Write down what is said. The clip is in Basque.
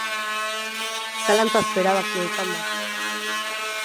Zalantzazko erabakia izan da.